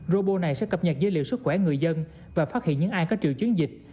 robot này sẽ cập nhật dữ liệu sức khỏe người dân và phát hiện những ai có triệu chứng dịch